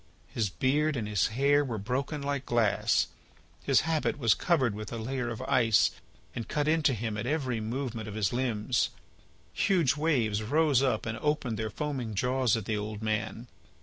His beard and his hair were broken like glass. His habit was covered with a layer of ice and cut into him at every movement of his limbs. Huge waves rose up and opened their foaming jaws at the old man.